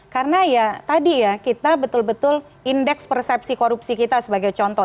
karena ya tadi ya kita betul betul indeks persepsi korupsi kita sebagai contoh